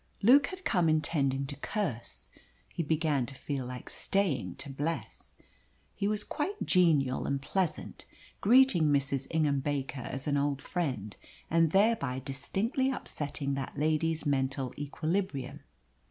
Luke had come intending to curse. He began to feel like staying to bless. He was quite genial and pleasant, greeting Mrs. Ingham Baker as an old friend, and thereby distinctly upsetting that lady's mental equilibrium.